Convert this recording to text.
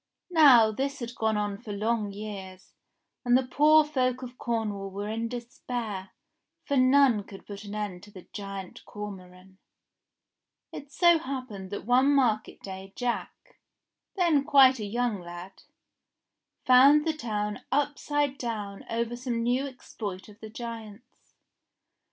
Now this had gone on for long years, and the poor folk of Cornwall were in despair, for none could put an end to the Giant Cormoran. It so happened that one market day Jack, then quite a young lad, found the town upside down over some new ex ploit of the giant's.